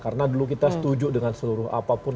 karena dulu kita setuju dengan seluruh apapun